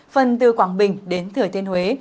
phần từ quảng bình đến thừa thiên huế